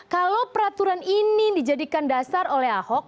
kalau peraturan ini dijadikan dasar oleh ahok